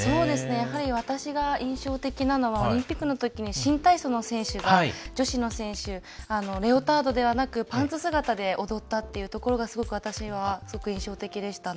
やっぱり私が印象的なのがオリンピックのときに新体操の女子の選手レオタードではなくパンツ姿で踊ったというところがすごく私は印象的でしたね。